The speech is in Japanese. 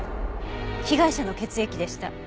被害者の血液でした。